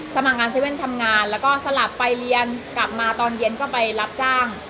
สมัครงาน๗๑๑ทำงานแล้วก็สลับไปเรียนกลับมาตอนเย็นก็ไปรับจ้าง